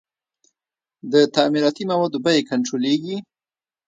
د تعمیراتي موادو بیې کنټرولیږي؟